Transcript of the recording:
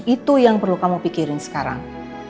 itu yang perlu kamu pikirin sekarang